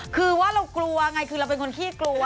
คือว่าเรากลัวไงคือเราเป็นคนขี้กลัว